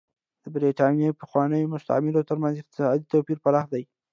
د برېټانیا پخوانیو مستعمرو ترمنځ اقتصادي توپیر پراخ دی.